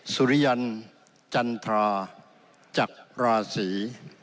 สุริยันจันทราจากราศี